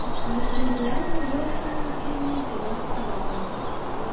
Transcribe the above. Нетрывіяльна вырашаны ў фільме эпізод з сабакамі.